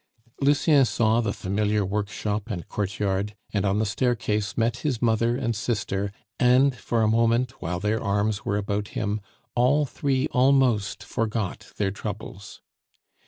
Lucien saw the familiar workshop and courtyard, and on the staircase met his mother and sister, and for a moment, while their arms were about him, all three almost forgot their troubles.